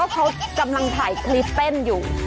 เนี่ยก็เธอกำลังถ่ายคลิปเพ่นอยู่